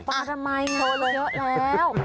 โทรมากทำไมโทรละยอดแล้ว